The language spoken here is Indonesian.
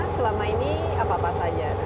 selama ini apa saja